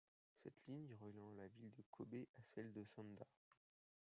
Cette ligne reliant la ville de Kobe à celle de Sanda.